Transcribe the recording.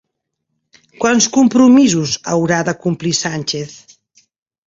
Quants compromisos haurà de complir Sánchez?